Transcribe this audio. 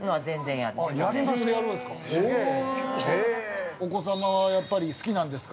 ◆やるんですか。